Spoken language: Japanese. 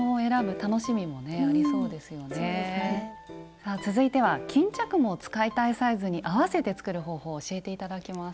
さあ続いては巾着も使いたいサイズに合わせて作る方法を教えて頂きます。